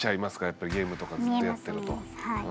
やっぱりゲームとかずっとやってると。